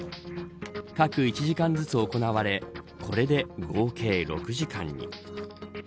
各１時間ずつ行われこれで合計６時間に。